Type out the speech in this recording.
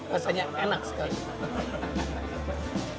rasanya enak sekali